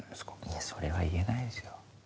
いやそれは言えないですよ。